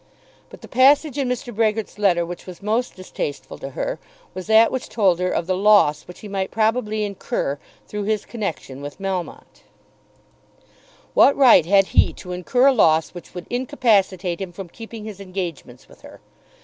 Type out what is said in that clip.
But the passage in Mr. Brehgert's letter which was most distasteful to her was that which told her of the loss which he might probably incur through his connection with Melmotte. What right had he to incur a loss which would incapacitate him from keeping his engagements with her?